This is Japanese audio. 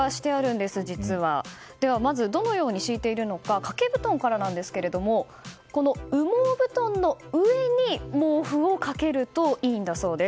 ではまずどのように敷いているのか掛け布団からなんですが羽毛布団の上に毛布を掛けるといいんだそうです。